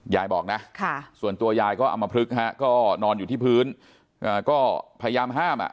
ยายบอกนะส่วนตัวยายก็อำมพลึกฮะก็นอนอยู่ที่พื้นก็พยายามห้ามอ่ะ